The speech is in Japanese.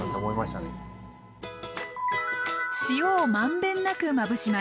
塩をまんべんなくまぶします。